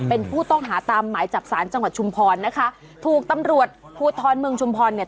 เป็นผู้ต้องหาตามหมายจับสารจังหวัดชุมพรนะคะถูกตำรวจภูทรเมืองชุมพรเนี่ย